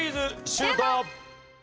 シュート！